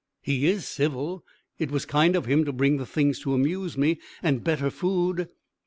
"He is civil. It was kind of him to bring the things to amuse me, and better food.